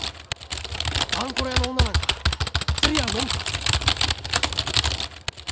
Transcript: あんころ屋の女なんか釣り合うもんか！